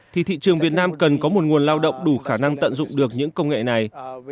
trường việt nam cần có một nguồn lao động đủ khả năng tận dụng được những công nghệ này